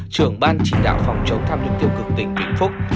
trưởng ban chỉ đạo phòng chống tham nhũng tiêu cực tỉnh vĩnh phúc